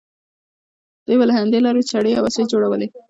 دوی به له همدې لارې چړې او وسلې جوړولې.